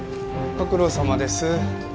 ご苦労さまです。